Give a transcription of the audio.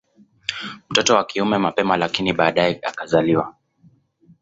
Mtoto wa kiume mapema lakini baadae akazaliwa